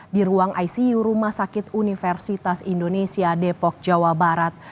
di ruang icu rumah sakit universitas indonesia depok jawa barat